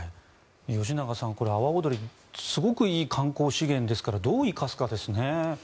吉永さん、阿波おどりすごくいい観光資源ですからどう生かすかですね。